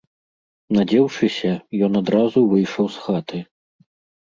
Надзеўшыся, ён адразу выйшаў з хаты.